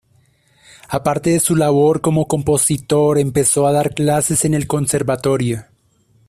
Aparte de su labor como compositor, empezó a dar clases en el Conservatorio.